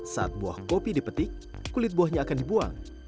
saat buah kopi dipetik kulit buahnya akan dibuang